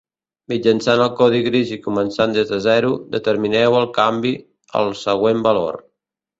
Mitjançant el codi gris i començant des de zero, determineu el canvi al següent valor.